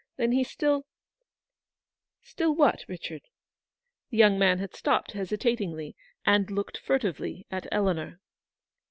Then he still —^" Still what, Richard ?" The young man had stopped hesitatingly, and looked furtively at Eleanor.